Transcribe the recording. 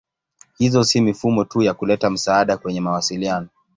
Hizo si mifumo tu ya kuleta msaada kwenye mawasiliano.